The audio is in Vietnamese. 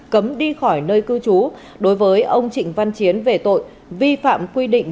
cấm đi khỏi nơi cư trú đối với ông trịnh văn chiến về tội vi phạm quy định